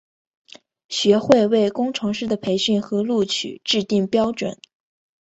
学会为工程师的培训和录取制定标准。